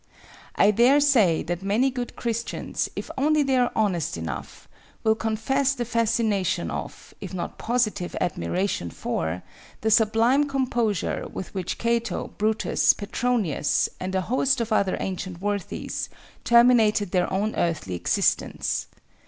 I dare say that many good Christians, if only they are honest enough, will confess the fascination of, if not positive admiration for, the sublime composure with which Cato, Brutus, Petronius and a host of other ancient worthies, terminated their own earthly existence.